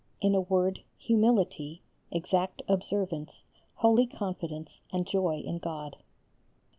In a word, humility, exact observance, holy confidence and joy in God.